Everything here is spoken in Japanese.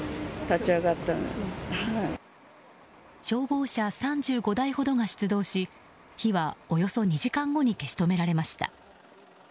消防車３５台ほどが出動し火はおよそ２時間後に消し止められました。